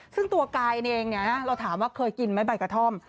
ซึ่งตัวกายเองเราถามว่าเคยกินไหมใบกระท่อม